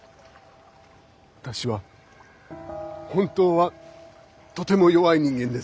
私は本当はとても弱い人間です。